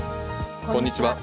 こんにちは。